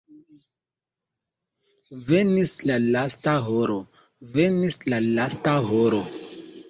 Venis la lasta horo, venis la lasta horo!